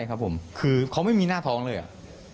ครับผมคือเขาไม่มีหน้าท้องเลยอ่ะ